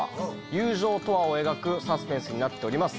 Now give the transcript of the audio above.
友情とは？を描くサスペンスになっております。